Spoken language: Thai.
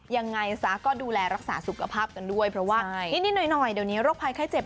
ยังไงซะก็ดูแลรักษาสุขภาพกันด้วยเพราะว่านิดหน่อยเดี๋ยวนี้โรคภัยไข้เจ็บ